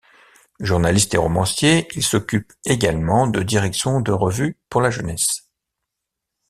Journaliste et romancier, il s'occupe également de direction de revues pour la jeunesse.